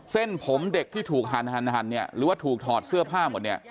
เส้นผมเด็กที่ถูกหั่นเนี่ยหรือว่าถูกถอดเสื้อผ้าหมดเนี่ย